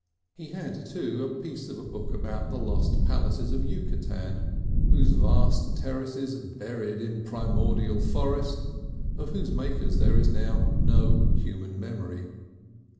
He had, too, a piece of a book about the lost palaces of Yucatan, those vast terraces buried in primordial forest, of whose makers there is now no human memory.